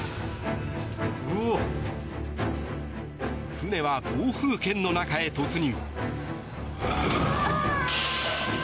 船は暴風圏の中へ突入。